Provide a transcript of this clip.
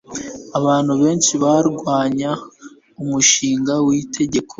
abantu benshi barwanya umushinga w'itegeko